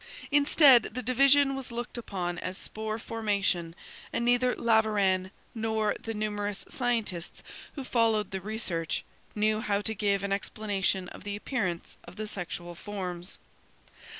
Instead, the division was looked upon as spore formation, and neither Laveran, nor the numer ous scientists who followed the research, knew how to give an explanation of the appearance of the sexual forms.